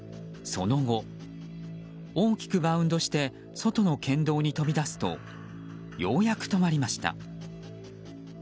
その後、大きくバウンドして外の県道に飛び出すとようやく止まりました。